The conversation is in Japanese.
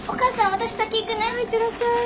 はい行ってらっしゃい。